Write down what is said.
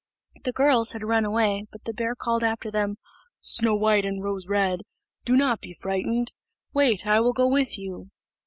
The girls had run away, but the bear called after them, "Snow white and Rose red, do not be frightened; wait, I will go with you.